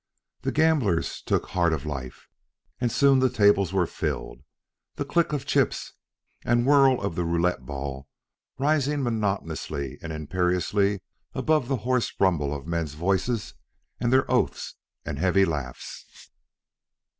The gamblers took heart of life, and soon the tables were filled, the click of chips and whir of the roulette ball rising monotonously and imperiously above the hoarse rumble of men's voices and their oaths and heavy laughs.